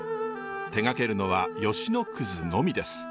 手がけるのは吉野くずのみです。